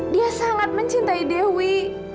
dia sangat mencintai dewi